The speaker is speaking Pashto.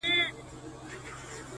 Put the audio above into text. هوا ژړيږي له چينار سره خبرې کوي،